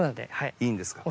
いいんですか？